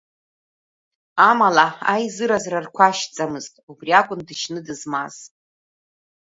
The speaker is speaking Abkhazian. Амала аизыразра рқәашьӡамызт, убри акәын дышьны дызмаз.